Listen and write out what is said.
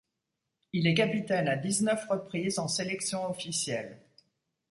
Il est capitaine à dix-neuf reprises en sélections officielles.